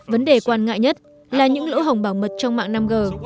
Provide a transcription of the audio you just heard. vấn đề quan ngại nhất là những lỗ hồng bảo mật trong mạng năm g